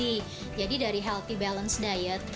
gizi jadi dari healthy balance diet